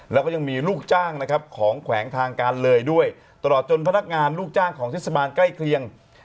แล้วก็ยังมีลูกจ้างนะครับของแขวงทางการเลยด้วยตลอดจนพนักงานลูกจ้างของเทศบาลใกล้เคียง